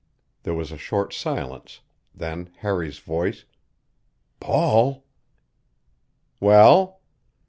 There was a short silence, then Harry's voice: "Paul " "Well?"